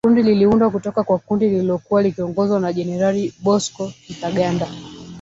Kundi liliundwa kutoka kwa kundi lililokuwa likiongozwa na Jenerali Bosco Ntaganda.